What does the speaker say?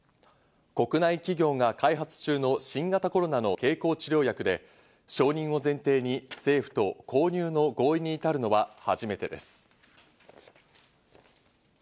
国内企業が開発中の新型コロナの経口治療薬で承認を前提に政府と購入の合意に至るのは初めてです。